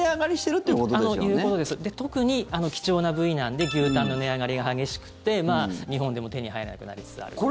で、特に貴重な部位なんで牛タンの値上がりが激しくて日本でも手に入らなくなりつつあると。